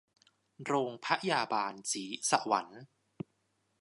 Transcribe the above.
โรงพยาบาลศรีสวรรค์